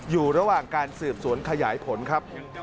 อยู่ระหว่างการสืบสวนขยายผลครับ